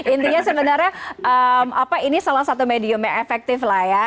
intinya sebenarnya ini salah satu medium yang efektif lah ya